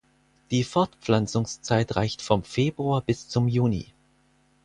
Die Fortpflanzungszeit reicht vom Februar bis zum Juni.